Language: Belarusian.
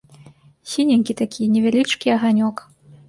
Сіненькі такі, невялічкі аганёк.